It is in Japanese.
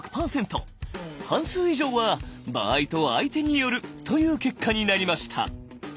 半数以上は「場合と相手による」という結果になりました。